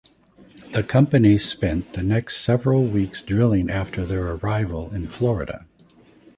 The companies spent the next several weeks drilling after their arrival in Florida.